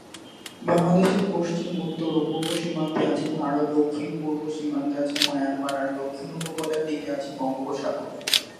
বাংলাদেশের পশ্চিম, উত্তর ও পূর্ব সীমান্তে আছে ভারত, দক্ষিণ-পূর্ব সীমান্তে আছে মায়ানমার, আর দক্ষিণ উপকূলের দিকে আছে বঙ্গোপসাগর।